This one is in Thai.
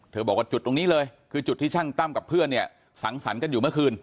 บอกว่าจุดตรงนี้เลยคือจุดที่ช่างตั้มกับเพื่อนเนี่ยสังสรรค์กันอยู่เมื่อคืน